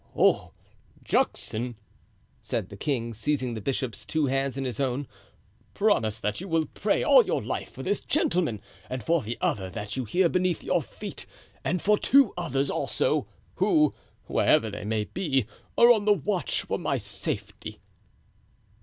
"Oh, Juxon," said the king, seizing the bishop's two hands in his own, "promise that you will pray all your life for this gentleman and for the other that you hear beneath your feet, and for two others also, who, wherever they may be, are on the watch for my safety."